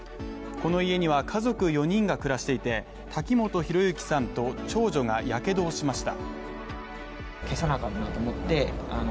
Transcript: この家には家族４人が暮らしていて、滝本裕之さんと長女がやけどをしました。